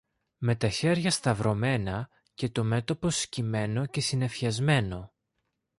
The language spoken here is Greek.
με τα χέρια σταυρωμένα και το μέτωπο σκυμμένο και συννεφιασμένο